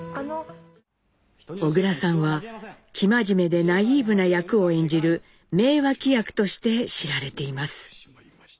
小倉さんは生真面目でナイーブな役を演じる名脇役として知られています。